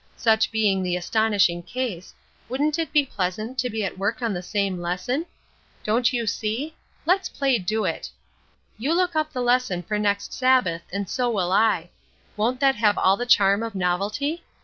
Such being the astonishing case, wouldn't it be pleasant to be at work on the same lesson? Don't you see? Lets play do it. You look up the lesson for next Sabbath and so will I. Won't that have all the charm of novelty?